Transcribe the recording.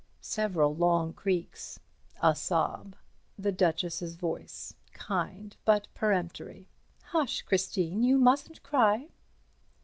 Several long creaks. A sob. The Duchess's voice, kind but peremptory. "Hush, Christine. You mustn't cry."